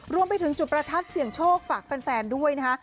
รวมไปถึงจุดประทัดเสี่ยงโชคฝากแฟนด้วยนะคะ